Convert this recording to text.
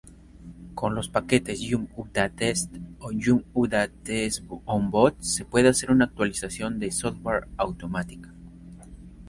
Con los paquetes "yum-updatesd" o "yum-updateonboot" se puede hacer una actualización de software automática.